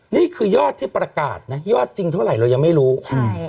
นี่คือยอดที่ประกาศนะยอดจริงเท่าไหร่เรายังไม่รู้ใช่